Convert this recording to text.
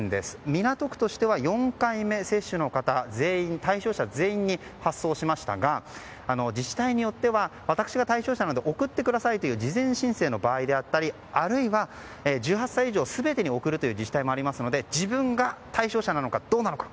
港区としては４回目接種の方対象者全員に発送しましたが自治体によっては私が対象者なので送ってくださいというような事前申請の場合であったりあるいは１８歳以上全てに送るという自治体もありますので自分が対象者なのかどうか